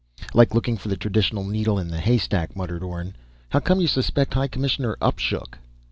"Like looking for the traditional needle in the haystack," muttered Orne. "How come you suspect High Commissioner Upshook?"